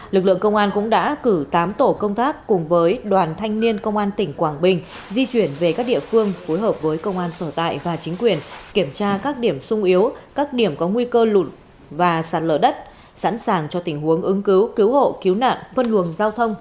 lực lượng công an cũng đã cử tám tổ công tác cùng với đoàn thanh niên công an tỉnh quảng bình di chuyển về các địa phương phối hợp với công an sở tại và chính quyền kiểm tra các điểm sung yếu các điểm có nguy cơ và sạt lở đất sẵn sàng cho tình huống ứng cứu cứu hộ cứu nạn phân luồng giao thông